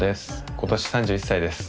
今年３１歳です。